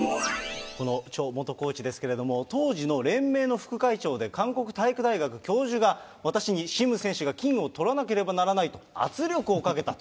チョ元コーチですけれども、当時の連盟の副会長で韓国体育大学教授が、私にシム選手が金をとらなければならないと圧力をかけたと。